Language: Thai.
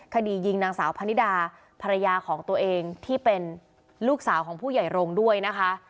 คดียิงนางสาวพนิดาภรรยาของตัวเองที่เป็นลูกสาวของผู้ใหญ่โรงด้วยนะคะ